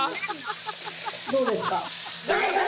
どうですか？